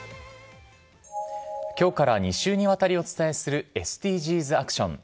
きょうから２週にわたりお伝えするＳＤＧｓアクション。